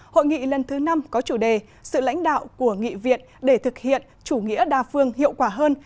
hội nghị lần thứ năm có chủ đề sự lãnh đạo của nghị viện để thực hiện chủ nghĩa đa phương hiệu quả hơn